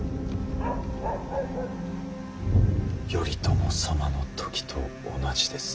頼朝様の時と同じです。